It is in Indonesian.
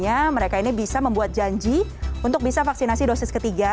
jadi mereka ini bisa membuat janji untuk bisa vaksinasi dosis ketiga